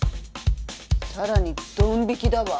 さらにドン引きだわ。